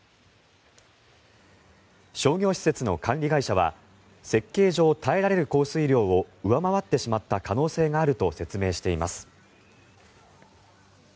商業施設の管理会社は設計上耐えられる降水量を上回ってしまった可能性があると説明しています。